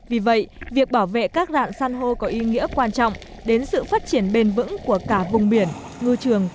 vì vậy việc bảo vệ các đạn san hô có ý nghĩa quan trọng đến sự phát triển bền vững của cả vùng biển ngư trường côn cỏ